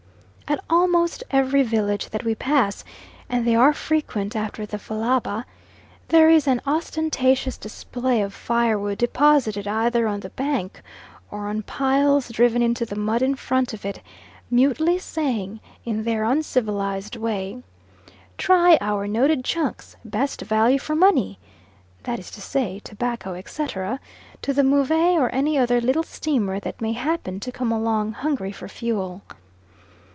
At almost every village that we pass and they are frequent after the Fallaba there is an ostentatious display of firewood deposited either on the bank, or on piles driven into the mud in front of it, mutely saying in their uncivilised way, "Try our noted chunks: best value for money" (that is to say, tobacco, etc.), to the Move or any other little steamer that may happen to come along hungry for fuel.